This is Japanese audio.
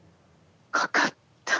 かかった。